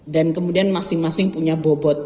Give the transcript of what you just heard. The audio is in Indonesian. dan kemudian masing masing punya bobot